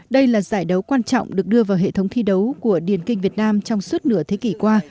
đây là giải đấu quan trọng được đưa vào hệ thống thi đấu của điền kinh việt nam trong suốt nửa thế kỷ qua